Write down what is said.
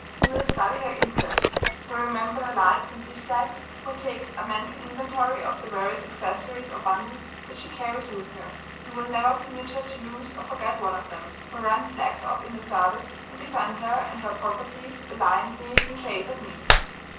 He will study her interests; will remember her likes and dislikes; will take a mental inventory of the various accessories or bundles that she carries with her, and will never permit her to lose or forget one of them; will run his legs off in her service, and defend her and her property valiantly in case of need.